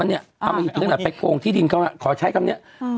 ที่เลว่อนัดไปโกงที่ดินเขาอ่ะขอใช้คำเนี้ยอืม